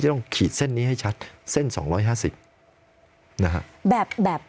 ต้องขีดเส้นนี้ให้ชัดเส้น๒๕๐นะฮะแบบ